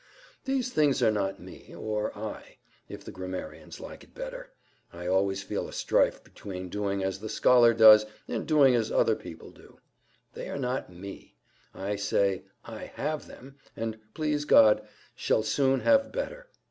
These things are not me—or I, if the grammarians like it better, (I always feel a strife between doing as the scholar does and doing as other people do;) they are not me, I say; I HAVE them—and, please God, shall soon have better.